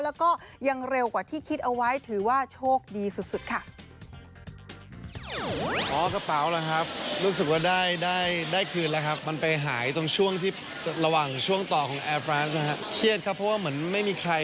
แล้วก็ยังเร็วกว่าที่คิดเอาไว้ถือว่าโชคดีสุดค่ะ